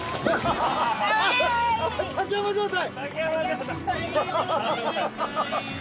竹山状態！